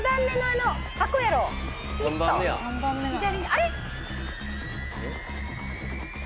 あれ？